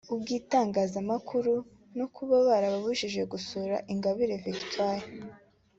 ubw’itangazamakuru no kuba barabujijwe gusura Ingabire Victoire